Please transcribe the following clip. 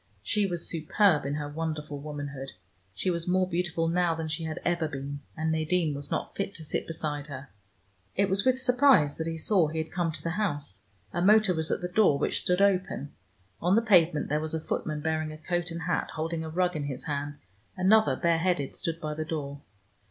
She was superb in her wonderful womanhood: she was more beautiful now than she had ever been, and Nadine was not fit to sit beside her. It was with surprise that he saw he had come to the house. A motor was at the door, which stood open. On the pavement there was a footman bearing a coat and hat, holding a rug in his hand: another, bareheaded, stood by the door.